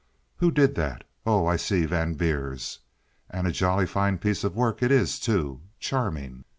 Who did that? Oh, I see—Van Beers. And a jolly fine piece of work it is, too, charming."